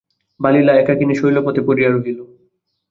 বালিকা একাকিনী শৈলপথে পড়িয়া রহিল।